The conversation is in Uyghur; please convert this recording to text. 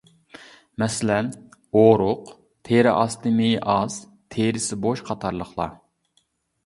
مەسىلەن: ئۇرۇق، تېرە ئاستى مېيى ئاز، تېرىسى بوش قاتارلىقلار.